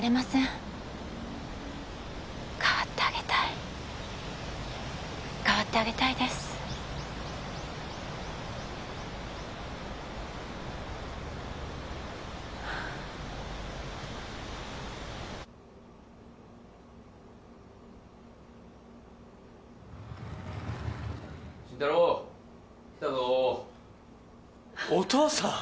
代わってあげたい代わってあげたいです・・・慎太郎来たぞ・お父さん！